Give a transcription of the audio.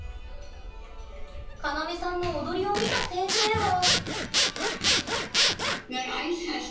カナメさんの踊りを見た先生はＯＫ。